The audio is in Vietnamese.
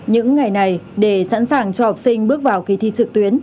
những ngày này để sẵn sàng cho học sinh bước vào kỳ thi trực tuyến